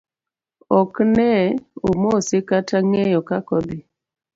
Ok ne omose kata ng'eyo kaka odhi.